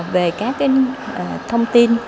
về các thông tin